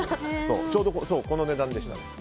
ちょうどこの値段でした。